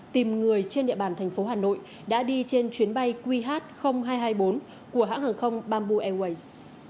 tìm người trên địa bàn thành phố hà nội đã đi trên chuyến bay qh hai trăm hai mươi bốn của hãng hàng không bamboo airways